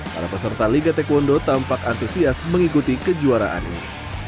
para peserta liga taekwondo tampak antusias mengikuti kejuaraan ini